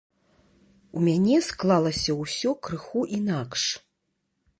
У мяне склалася ўсё крыху інакш.